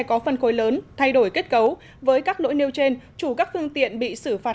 có phân khối lớn thay đổi kết cấu với các lỗi nêu trên chủ các phương tiện bị xử phạt